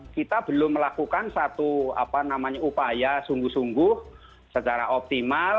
kita belum melakukan satu upaya sungguh sungguh secara optimal